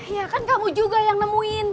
ya kan kamu juga yang nemuin